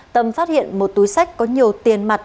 tâm phát hiện một túi sách có nhiều tiền mặt